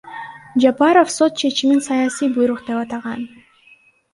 Жапаров сот чечимин саясий буйрук деп атаган.